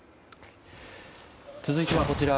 続いてはこちら。